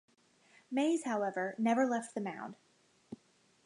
Mays, however, never left the mound.